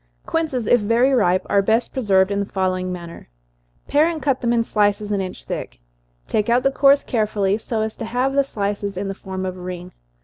_ Quinces, if very ripe, are best preserved in the following manner: Pare and cut them in slices, an inch thick take out the cores carefully, so as to have the slices in the form of a ring.